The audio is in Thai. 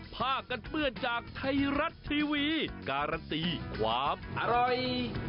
เพื่อจากไทยรัฐทีวีการันตีความอร่อย